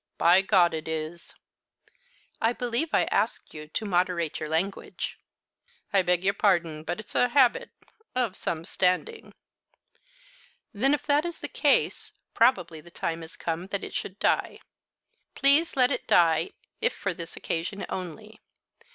By God, it is!" "I believe I asked you to moderate your language." "I beg your pardon; but it's a habit of some standing." "Then if that is the case, probably the time is come that it should die. Please let it die if for this occasion only.